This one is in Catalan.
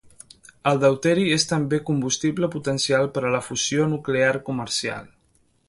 El deuteri és també un combustible potencial per a la fusió nuclear comercial.